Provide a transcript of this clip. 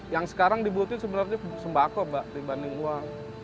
yang sekarang dibutuhkan sebenarnya sembako mbak dibanding uang